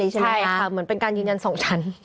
ใช่ค่ะเหมือนเป็นการยืนยัน๒ชั้น